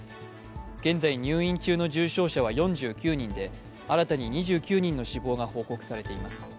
現在入院中の重症者は４９人で新たに２９人の死亡が報告されています。